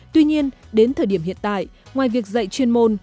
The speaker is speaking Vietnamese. tuy nhiên đến thời điểm hiện tại ngoài việc dạy chuyên môn